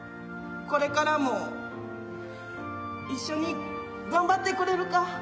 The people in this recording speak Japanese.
これからも一緒に頑張ってくれるか？